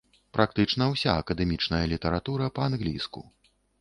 Практычна ўся акадэмічная літаратура па-англійску.